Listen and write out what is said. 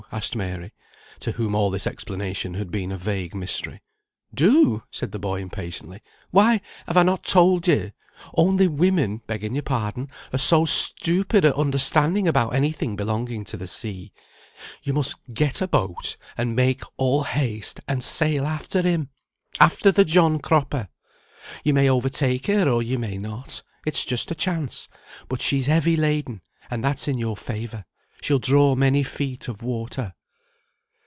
asked Mary, to whom all this explanation had been a vague mystery. "Do!" said the boy, impatiently, "why, have not I told you? Only women (begging your pardon) are so stupid at understanding about any thing belonging to the sea; you must get a boat, and make all haste, and sail after him, after the John Cropper. You may overtake her, or you may not. It's just a chance; but she's heavy laden, and that's in your favour. She'll draw many feet of water."